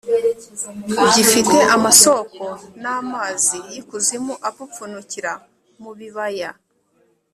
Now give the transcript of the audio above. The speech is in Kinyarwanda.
gifite amasoko n’amazi y’ikuzimu apfupfunukira mu bibaya